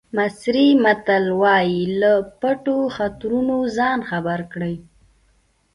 مصري متل وایي له پټو خطرونو ځان خبر کړئ.